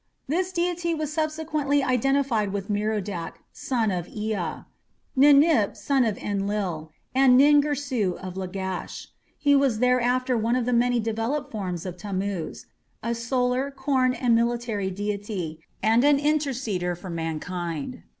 This deity was subsequently identified with Merodach, son of Ea; Ninip, son of Enlil; and Nin Girsu of Lagash. He was therefore one of the many developed forms of Tammuz a solar, corn, and military deity, and an interceder for mankind.